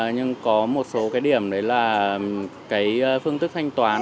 nhưng có một số cái điểm đấy là cái phương thức thanh toán